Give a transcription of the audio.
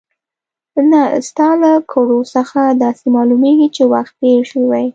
نه، ستا له کړو څخه داسې معلومېږي چې وخت دې تېر شوی.